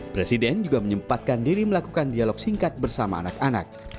presiden juga menyempatkan diri melakukan dialog singkat bersama anak anak